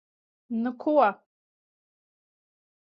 Nu ko...